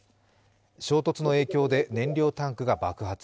衝突の影響で燃料タンクが爆発。